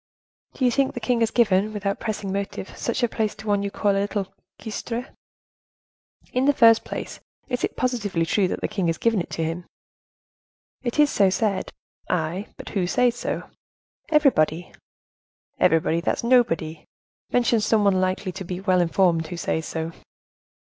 "Do you think the king has given, without pressing motive, such a place to one you call a little cuistre?" "In the first place, is it positively true that the king has given it to him?" "It is so said." "Ay, but who says so?" "Everybody." "Everybody, that's nobody; mention some one likely to be well informed who says so."